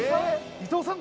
伊藤さん？